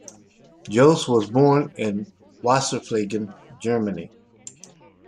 Jooss was born in Wasseralfingen, Germany.